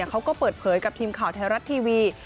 เขาก็เปิดเผยกับทีมข่าวไทยรัฐทีวี